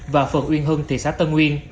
và phường uyên hưng thị xã tân uyên